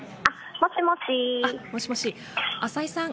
もしもし、浅井さん